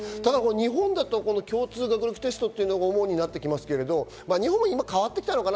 日本だと共通学力テストが主になってきますけど、日本は今、変わってきたかな？